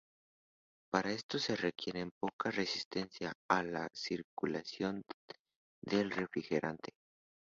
Para esto se requiere poca resistencia a la circulación del refrigerante.